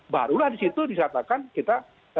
barulah di situ dikatakan kita